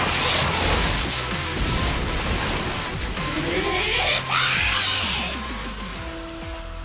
うるさい！